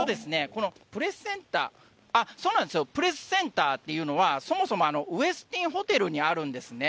このプレスセンター、そうなんですよ、プレスセンターっていうのは、そもそもウェスティンホテルにあるんですね。